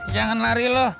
jangan lari loh